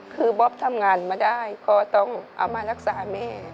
คือบ๊อบทำงานมาได้ก็ต้องเอามารักษาแม่